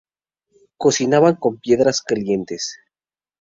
Cocinaban con piedras calientes.